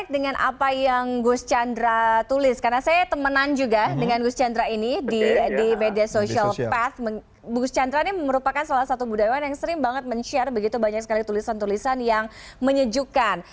dengan gus chandra ini di media sosial path gus chandra ini merupakan salah satu budayawan yang sering banget men share begitu banyak sekali tulisan tulisan yang menyejukkan